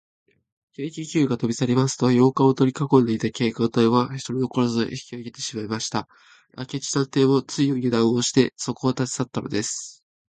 軽気球がとびさりますと、洋館をとりかこんでいた警官隊は、ひとり残らず引きあげてしまいました。明智探偵も、ついゆだんをして、そこを立ちさったのです。